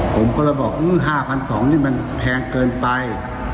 ผมก็เลยบอก๕๒๐๐นี่มันแพงเกินไป